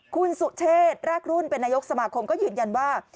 คุณสุเชษรากรุ่นเป็นนายกสมาคมก็ยืนยันว่า